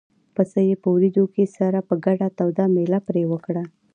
پسه یې په وریجو سره په ګډه توده مېله پرې وکړه.